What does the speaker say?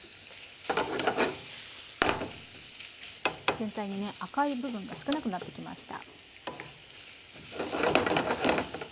全体にね赤い部分が少なくなってきました。